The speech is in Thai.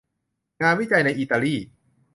งานวิจัยในอิตาลี